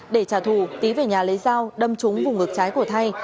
để trả thù tý về nhà lấy dao đâm trúng vùng ngực trái của thay